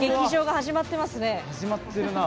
始まってるな。